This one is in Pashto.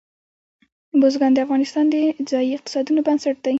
بزګان د افغانستان د ځایي اقتصادونو بنسټ دی.